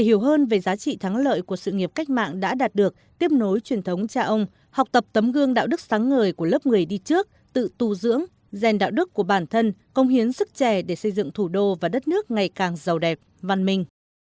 hiểu hơn về giá trị thắng lợi của sự nghiệp cách mạng đã đạt được tiếp nối truyền thống cha ông học tập tấm gương đạo đức sáng ngời của lớp người đi trước tự tu dưỡng rèn đạo đức của bản thân công hiến sức trẻ để xây dựng thủ đô và đất nước ngày càng giàu đẹp văn minh